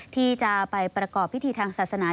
ที่จะไปประกอบพิธีทางศาสนา